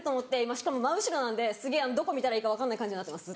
しかも真後ろなんですげぇどこ見たらいいか分かんない感じになってます